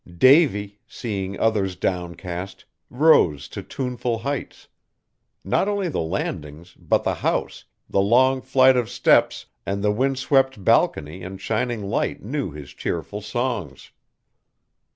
Davy, seeing others downcast, rose to tuneful heights. Not only the landings, but the house, the long flight of steps, and the windswept balcony and shining Light knew his cheerful songs.